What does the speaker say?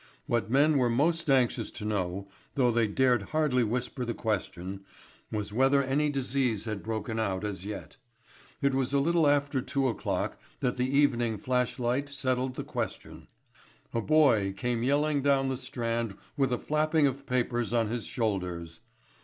What men were most anxious to know, though they dared hardly whisper the question, was whether any disease had broken out as yet. It was a little after two o'clock that the Evening Flashlight settled the question. A boy came yelling down the Strand with a flapping of papers on his shoulders.